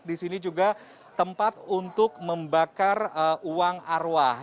di sini juga tempat untuk membakar uang arwah